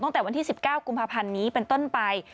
ตั้งแต่วันที่๑๙กุมภาพันธ์นี้เป็นต้นไป